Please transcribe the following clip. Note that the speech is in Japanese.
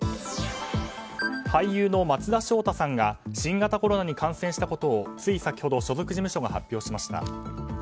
俳優の松田翔太さんが新型コロナに感染したことをつい先ほど所属事務所が発表しました。